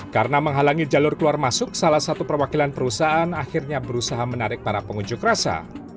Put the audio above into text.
karena menghalangi jalur keluar masuk salah satu perwakilan perusahaan akhirnya berusaha menarik para pengunjuk rasa